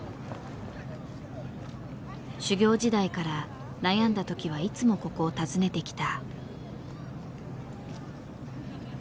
修業時代から悩んだ時はいつもここを訪ねてきた。